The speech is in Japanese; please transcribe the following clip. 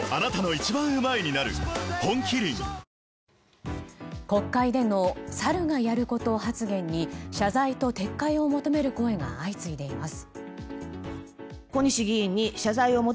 本麒麟国会でのサルがやること発言に謝罪と撤回を求める声が相次いでいます。